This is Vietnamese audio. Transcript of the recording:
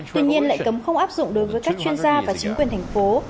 tuy nhiên lệnh cấm không áp dụng đối với các chuyên gia và chính quyền thành phố